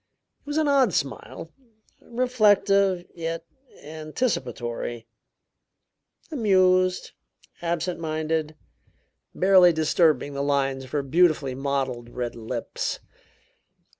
It was an odd smile, reflective, yet anticipatory; amused, absent minded, barely disturbing the lines of her beautifully modeled red lips.